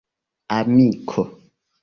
amiko